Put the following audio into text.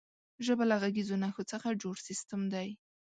ژبه له غږیزو نښو څخه جوړ سیستم دی.